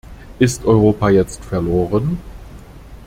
Ist Europa jetzt verloren?